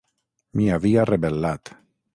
M'hi havia rebel·lat.